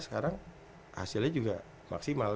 sekarang hasilnya juga maksimal